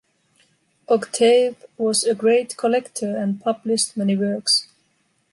Octave was a great collector and published many works.